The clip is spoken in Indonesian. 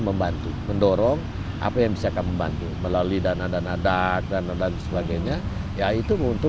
membantu mendorong apa yang bisa kamu bantu melalui dana dan adat dan dan sebagainya yaitu untuk